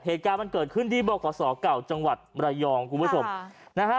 เหตุการณ์มันเกิดขึ้นที่บขศเก่าจังหวัดระยองคุณผู้ชมค่ะนะฮะ